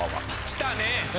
来たね。